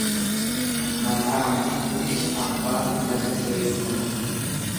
Maqaafi gurra abbaatu laga ceesifata.